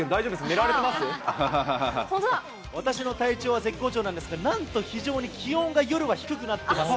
寝られ私の体調は絶好調なんですが、なんと非常に気温が夜は低くなっています。